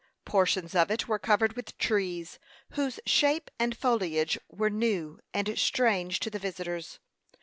Portions of it were covered with trees, whose shape and foliage were new and strange to the visitors.